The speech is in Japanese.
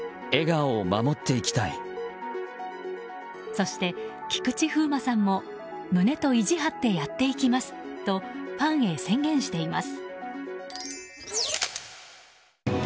そして、菊池風磨さんも胸と意地張ってやっていきますとファンヘ宣言しています。